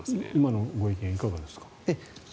今のご意見どうですか。